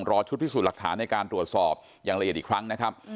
ชุดพิสูจน์หลักฐานในการตรวจสอบอย่างละเอียดอีกครั้งนะครับ